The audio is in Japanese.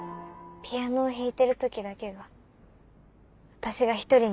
ピアノを弾いてる時だけは私が１人になれる。